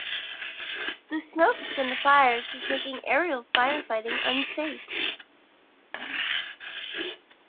The smoke from the fires is making aerial firefighting unsafe.